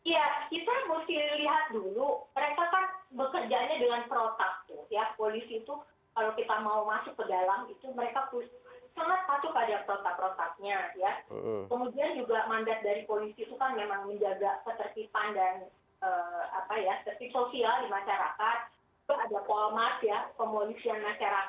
ya kita harus dilihat dulu mereka kan bekerjanya dengan protaktif ya polisi itu kalau kita mau masuk ke dalam itu mereka harus sangat masuk pada protaktif